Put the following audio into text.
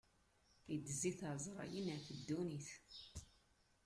Iddez-it ɛezṛayen ɣef ddunit.